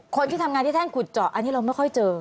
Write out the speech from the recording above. คนที่ทำงานที่แท่งขุดเจาะอันนี้เราไม่ค่อยเจอ